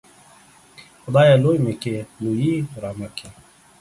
خدايه! لوى مې کې ، لويي رامه کې.